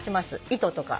糸とか。